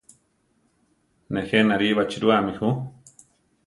Nejé nari baʼchirúami ju.